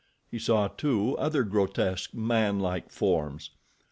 He saw, too, other grotesque, manlike forms.